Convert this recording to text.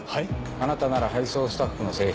あなたなら配送スタッフの制服